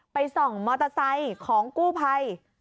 ไปส่องมอเตอร์ไซต์ของกู้ไพ